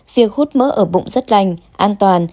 việc hút mỡ ở bụng rất lành an toàn